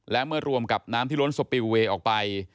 และเมื่อรวมกับน้ำที่ล้นสปิลเวย์ออกไป